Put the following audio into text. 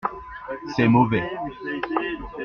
C’est mauvais.